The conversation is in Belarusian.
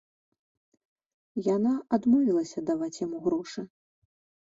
Яна адмовілася даваць яму грошы.